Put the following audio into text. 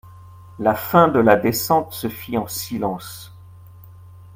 La fin de la descente se fit en silence.